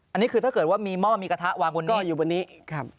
อันนี้คือถ้าเกิดว่ามีหม้อมีกระทะวางบนหม้ออยู่บนนี้ครับ